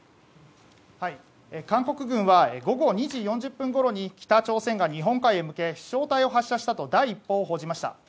韓国軍は午後２時４０分ごろに北朝鮮が北朝鮮が日本海に向けて飛翔体を発射したと第一報を報じました。